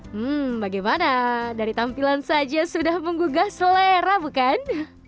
hmm bagaimana dari tampilan saja sudah menggugah selera bukan